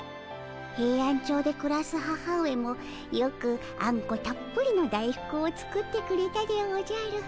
ヘイアンチョウでくらす母上もよくあんこたっぷりの大福を作ってくれたでおじゃる。